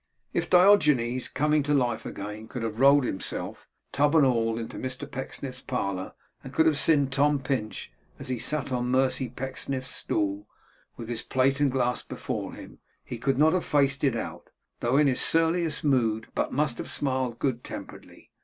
If Diogenes coming to life again could have rolled himself, tub and all, into Mr Pecksniff's parlour and could have seen Tom Pinch as he sat on Mercy Pecksniff's stool with his plate and glass before him he could not have faced it out, though in his surliest mood, but must have smiled good temperedly.